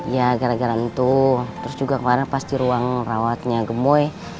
ya gara gara itu terus juga kemarin pas di ruang rawatnya gemboy